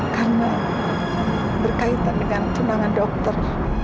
karena berkaitan dengan tunangan dokter